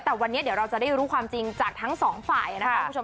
แต่วันนี้เดี๋ยวเราจะได้รู้ความจริงจากทั้งสองฝ่ายนะครับคุณผู้ชม